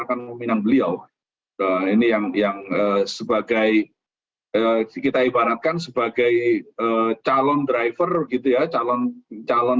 akan meminang beliau ini yang yang sebagai kita ibaratkan sebagai calon driver gitu ya calon calon